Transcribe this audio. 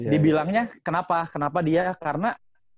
dibilangnya kenapa kenapa dia karena